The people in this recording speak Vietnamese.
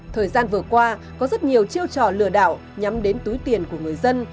thời gian vừa qua có rất nhiều chiêu trò lừa đảo nhắm đến túi tiền của người dân